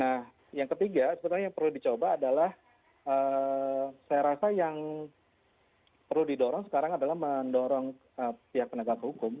nah yang ketiga sebenarnya yang perlu dicoba adalah saya rasa yang perlu didorong sekarang adalah mendorong pihak penegak hukum